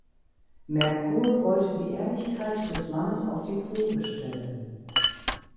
Merkur wollte die Ehrlichkeit des Mannes auf die Probe stellen.